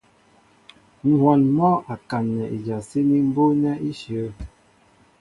Ŋ̀hwɔn mɔ́ a kaǹnɛ ijasíní mbú' nɛ́ íshyə̂.